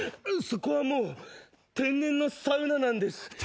そこはもう天然のサウナなんです。